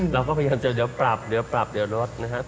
เราก็พยายามจะเดี๋ยวปรับเดี๋ยวปรับเดี๋ยวลดนะครับ